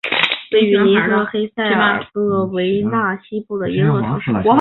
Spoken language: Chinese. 利夫诺是位于波斯尼亚和黑塞哥维纳西部的一座城市。